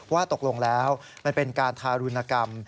ว่าตกลงแล้วมันเป็นการทารุณกรรม